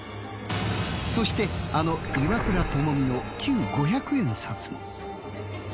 そしてあの岩倉具視の旧五百円札も。